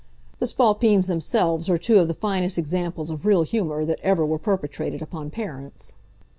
The Spalpeens themselves are two of the finest examples of real humor that ever were perpetrated upon parents.